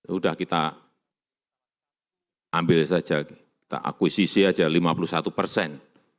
sudah kita ambil saja kita akuisisi saja lima puluh satu persen